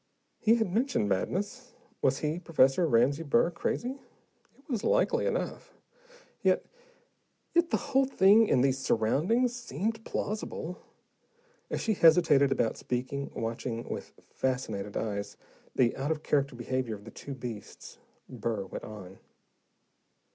He had mentioned madness: was he, Professor Ramsey Burr, crazy? It was likely enough. Yet yet the whole thing, in these surroundings, seemed plausible. As she hesitated about speaking, watching with fascinated eyes the out of character behavior of the two beasts, Burr went on.